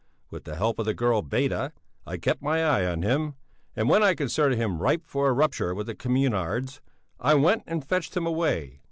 With the help of the girl Beda I kept my eye on him, and when I considered him ripe for a rupture with the communards, I went and fetched him away.